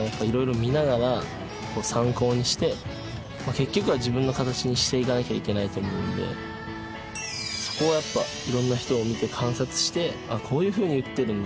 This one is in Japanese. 結局は自分の形にしていかなきゃいけないと思うのでそこはやっぱいろんな人を見て観察して「こういうふうに打ってるんだ。